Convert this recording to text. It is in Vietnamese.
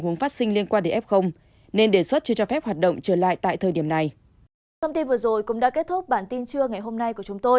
nên đề xuất chưa cho phép hoạt động trở lại tại thời điểm này